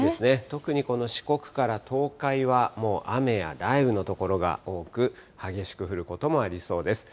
特にこの四国から東海は、もう雨や雷雨の所が多く、激しく降ることもありそうです。